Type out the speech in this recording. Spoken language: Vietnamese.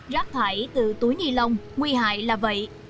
rác thải từ túi ni lông nguy hại là vậy